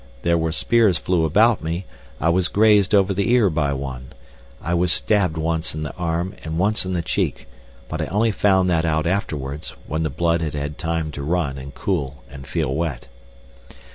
There were spears flew about me, I was grazed over the ear by one. I was stabbed once in the arm and once in the cheek, but I only found that out afterwards, when the blood had had time to run and cool and feel wet.